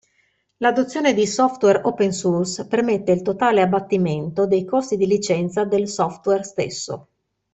L'adozione di software open source permette il totale abbattimento dei costi di licenza del software stesso.